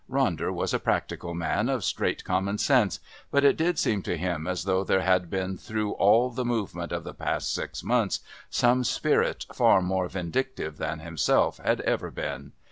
Ronder was a practical man of straight common sense, but it did seem to him as though there had been through all the movement of the last six months some spirit far more vindictive than himself had ever been.